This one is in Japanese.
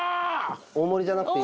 大盛りじゃなくていい？